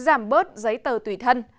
giảm bớt giấy tờ tùy thân